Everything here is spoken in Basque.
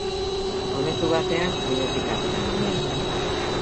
Momentu batean bidetik atera ginen.